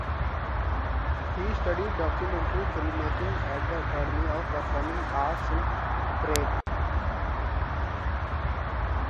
He studied documentary filmmaking at the Academy of Performing Arts in Prague.